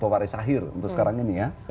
pewaris akhir untuk sekarang ini ya